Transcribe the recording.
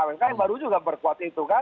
mk yang baru juga berkuat itu kan